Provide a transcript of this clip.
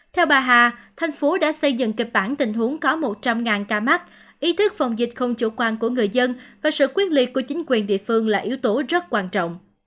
theo bà hà thành phố đã xây dựng kịch bản tình huống có một trăm linh ca mắc ý thức phòng dịch không chủ quan của người dân và sự quyết liệt của chính quyền địa phương là yếu tố rất quan trọng